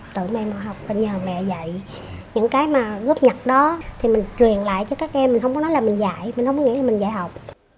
tự em học và nhờ mẹ dạy những cái mà gấp nhặt đó thì mình truyền lại cho các em mình không có nói là mình dạy mình không có nghĩ là mình dạy học